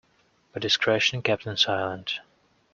But discretion kept him silent.